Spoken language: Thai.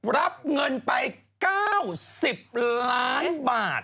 รับเงินไป๙๐ล้านบาท